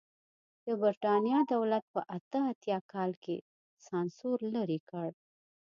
د برېټانیا دولت په اته اتیا کال کې سانسور لرې کړ.